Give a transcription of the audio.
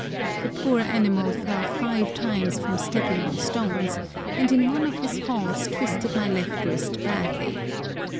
The poor animal fell five times from stepping on stones, and in one of his falls twisted my left wrist badly.